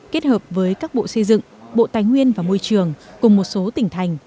kết hợp với các bộ xây dựng bộ tài nguyên và môi trường cùng một số tỉnh thành